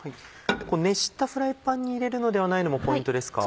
熱したフライパンに入れるのではないのもポイントですか？